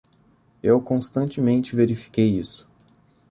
Eu constantemente verifiquei isso.